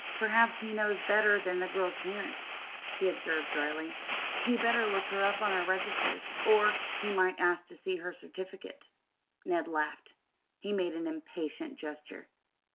"Perhaps he knows better than the girl's parents," he observed dryly. "He'd better look her up on our registers, or he might ask to see her certificate." Ned laughed. He made an impatient gesture.